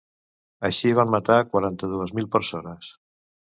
Així van matar quaranta-dues mil persones.